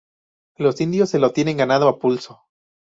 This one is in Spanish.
Los indios se lo tiene ganado a pulso